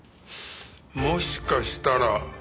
もしかしたら。